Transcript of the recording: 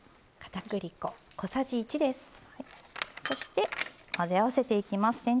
そして、混ぜ合わせていきます。